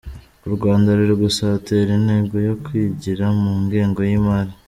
U Rwanda ruri gusatira intego yo kwigira mu ngengo y’imari.